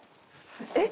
えっ？